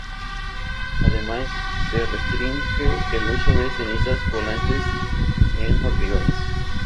Además, se restringe el uso de cenizas volantes en hormigones.